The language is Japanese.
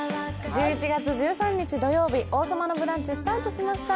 １１月１３日土曜日、「王様のブランチ」スタートしました。